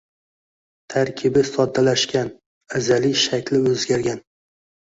Tarkibi soddlashgan, azaliy shakli o‘zgargan.